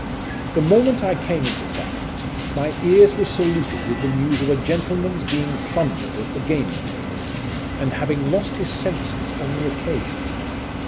11 The moment I came into Bath, my ears were saluted with the news of a gentleman's being plundered at the gaming table, and having lost his senses on the occasion.